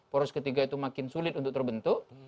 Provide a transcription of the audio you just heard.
poros ketiga itu makin sulit untuk terbentuk